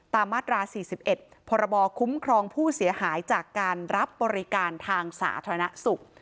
มาตรา๔๑พรบคุ้มครองผู้เสียหายจากการรับบริการทางสาธารณสุข